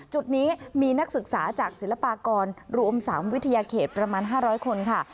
จุดนี้มีนักศึกษาจากศิลปากรรวม๓วิทยาเขตประมาณ๕๐๐คนค่ะ